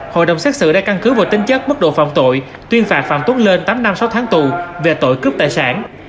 hội đồng xét xử đã căn cứ vào tính chất mức độ phạm tội tuyên phạt phạm tuấn lên tám năm sáu tháng tù về tội cướp tài sản